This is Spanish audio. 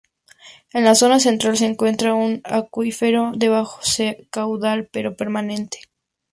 En la zona central se encuentra un acuífero de bajo caudal pero permanente.